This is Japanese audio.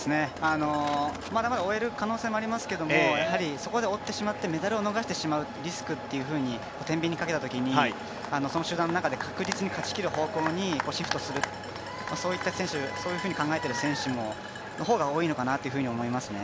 まだまだ追える可能性もありますけどそこで追ってしまってメダルを逃してしまうリスクとてんびんにかけたときこの集団の中で確実に勝ちきる方向にシフトするそういうふうに考えている選手の方が多いのかなと思いますね。